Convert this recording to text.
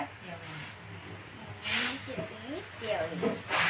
มีเชียวตรงนี้เดี๋ยวเลย